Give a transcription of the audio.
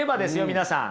皆さん。